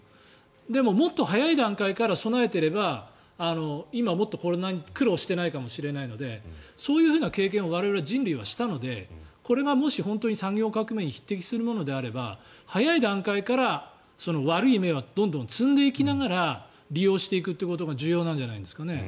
でももっと早い段階から備えていれば、今もっとこんなに苦労していないかもしれないのでそういう経験を我々人類はしたのでこれがもし本当に産業革命に匹敵するものであれば早い段階から悪い芽はどんどん摘んでいきながら利用していくってことが重要なんじゃないですかね。